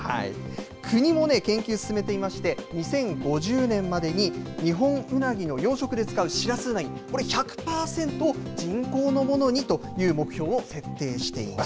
国も研究を進めていまして、２０５０年までにニホンウナギの養殖で使うシラスウナギ、これ、１００％人工のものにという目標を設定しています。